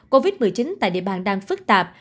covid một mươi chín tại địa bàn đang phức tạp